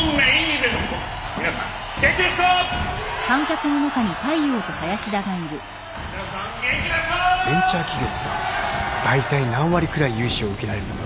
ベンチャー企業ってさだいたい何割くらい融資を受けられるもんなの？